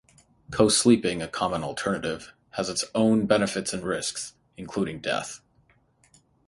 Co-sleeping, a common alternative, has its own benefits and risks, including death.